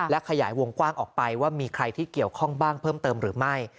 ขยายวงกว้างออกไปว่ามีใครที่เกี่ยวข้องบ้างเพิ่มเติมหรือไม่